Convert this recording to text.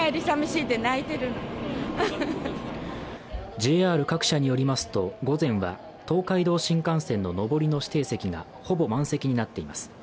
ＪＲ各社によりますと、午前は東海道新幹線の上りの指定席がほぼ満席になっています。